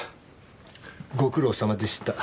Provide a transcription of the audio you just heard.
ご苦労様でした。